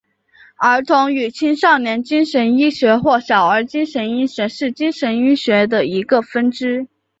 儿童与青少年精神医学或小儿精神医学是精神医学的一个分支。